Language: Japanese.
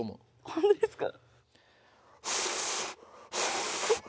本当ですか？